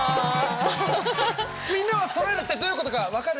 みんなはそろえるってどういうことか分かる？